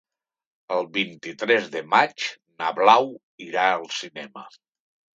El vint-i-tres de maig na Blau irà al cinema.